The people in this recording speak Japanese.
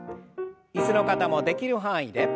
椅子の方もできる範囲で。